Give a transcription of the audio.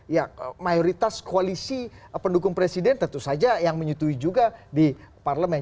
ya mayoritas koalisi pendukung presiden tentu saja yang menyutui juga di parlemen